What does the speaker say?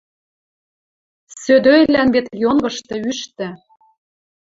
Сӧдӧйлӓн вет йонгышты ӱштӹ